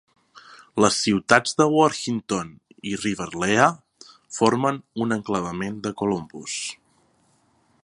Les ciutats de Worthington i Riverlea formen un enclavament de Columbus.